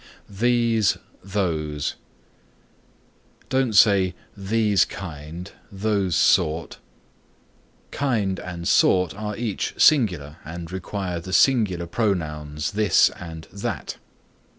THESE THOSE Don't say, These kind; those sort. Kind and sort are each singular and require the singular pronouns this and that.